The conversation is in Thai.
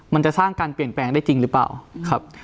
มันจะสร้างการเปลี่ยนแปลงได้จริงหรือเปล่าครับ